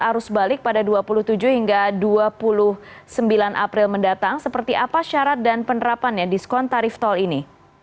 arus balik pada dua puluh tujuh hingga dua puluh sembilan april mendatang seperti apa syarat dan penerapannya diskon tarif tol ini